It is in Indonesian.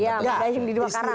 ya mendayung di dua karang